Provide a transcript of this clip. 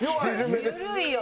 緩いよ。